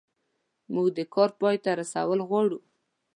موږ د کار پای ته رسول غواړو.